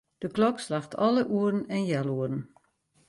De klok slacht alle oeren en healoeren.